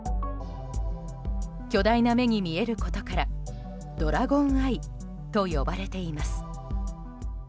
巨大な目に見えることからドラゴンアイと呼ばれています。